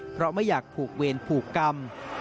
เพราะไม่อยากผูกเวรผูกกรรม